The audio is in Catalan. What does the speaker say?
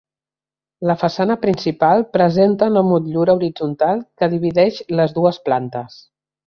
La façana principal presenta una motllura horitzontal que divideix les dues plantes.